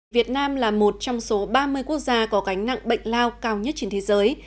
việt nam là một trong số ba mươi quốc gia có gánh nặng bệnh lao cao nhất trên thế giới